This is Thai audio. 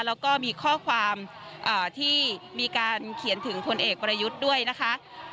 แล้วก็มีข้อความที่มีการเขียนถึงพลเอกประยุทธ์ด้วยนะคะ